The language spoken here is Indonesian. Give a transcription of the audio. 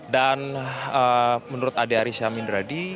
dan menurut adi arisya mindradi